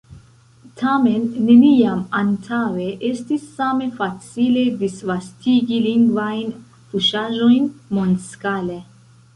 Tamen, neniam antaŭe estis same facile disvastigi lingvajn fuŝaĵojn mondskale.